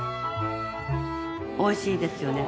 おいしいですよね。